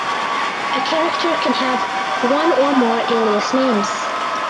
A character can also have one or more alias names.